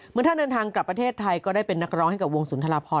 เมื่อท่านเดินทางกลับประเทศไทยก็ได้เป็นนักร้องให้กับวงสุนทร